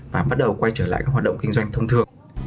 và bắt đầu quay trở lại các hoạt động kinh doanh thông thường